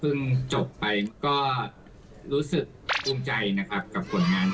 จบไปก็รู้สึกภูมิใจนะครับกับผลงาน